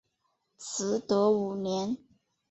嗣德五年。